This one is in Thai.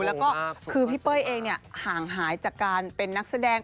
แล้วก็คือพี่เป้ยเองห่างหายจากการเป็นนักแสดง